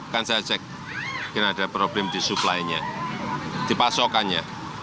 kan saya cek mungkin ada problem di supply nya di pasokannya